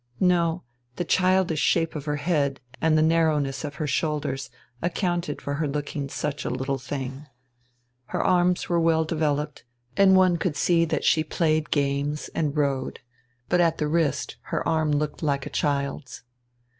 No, the childish shape of her head and the narrowness of her shoulders accounted for her looking such a little thing. Her arms were well developed, and one could see that she played games and rode. But at the wrist her arm looked like a child's.